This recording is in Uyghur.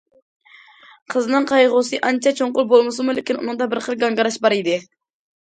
قىزنىڭ قايغۇسى ئانچە چوڭقۇر بولمىسىمۇ، لېكىن ئۇنىڭدا بىر خىل گاڭگىراش بار ئىدى.